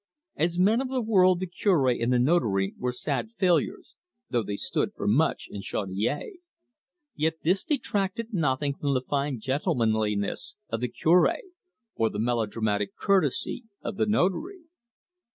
As men of the world the Cure and the Notary were sad failures, though they stood for much in Chaudiere. Yet this detracted nothing from the fine gentlemanliness of the Cure or the melodramatic courtesy of the Notary.